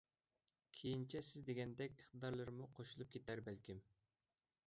كېيىنچە سىز دېگەندەك ئىقتىدارلىرىمۇ قوشۇلۇپ كېتەر بەلكىم.